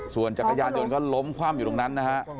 ส่วนจักรยานจนก็ล้มคว่ำอยู่ตรงนั้น